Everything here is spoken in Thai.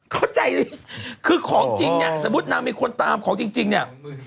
เข้าใจดิคือของจริงเนี่ยสมมุตินางมีคนตามของจริงเนี่ย